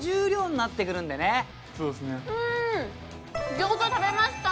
餃子食べました！